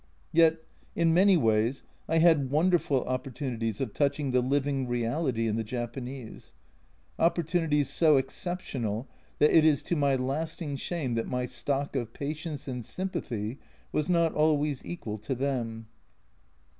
Yet in many ways I had wonderful opportunities of touching the living reality in the Japanese ; oppor tunities so exceptional that it is to my lasting shame that my stock of patience and sympathy was not always equal to them.